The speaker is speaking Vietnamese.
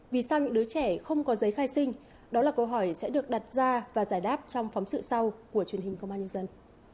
vì sao những đứa trẻ không có giấy khai sinh đó là câu hỏi sẽ được đặt ra và giải đáp trong phóng sự sau của truyền hình công an nhân dân